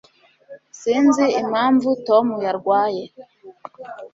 sinzi impamvu tom yarwaye